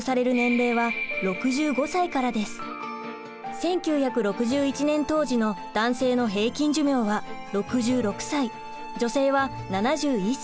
１９６１年当時の男性の平均寿命は６６歳女性は７１歳。